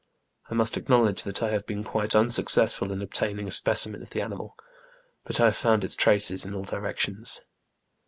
I must acknowledge that I have been quite unsuc cessful in obtaining a specimen of the animal, but I have found its traces in all directions.